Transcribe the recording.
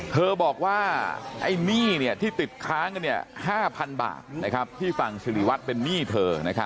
เธอบอกว่าไอ้หนี้ที่ติดค้างกัน๕๐๐๐บาทที่ฝั่งสิริวัตรเป็นหนี้เธอ